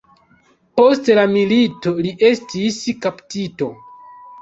Post la milito li estis kaptito.